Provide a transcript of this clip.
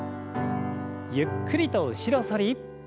ゆっくりと後ろ反り。